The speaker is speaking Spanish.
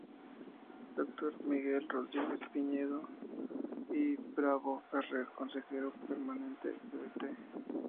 D. Miguel Rodríguez-Piñero y Bravo-Ferrer: consejero Permanente-Pdte.